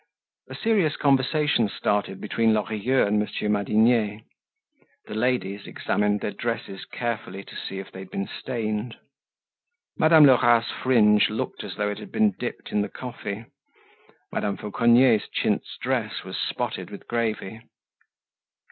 A serious conversation started between Lorilleux and Monsieur Madinier. The ladies examined their dresses carefully to see if they had been stained. Madame Lerat's fringe looked as though it had been dipped in the coffee. Madame Fauconnier's chintz dress was spotted with gravy.